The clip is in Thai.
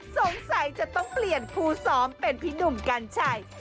สงสัยจะต้องเปลี่ยนคู่ซ้อมเป็นพี่หนุ่มกัญชัย